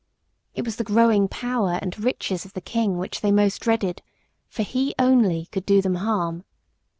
It was the growing power and riches of the King which they most dreaded, for he only could do them harm.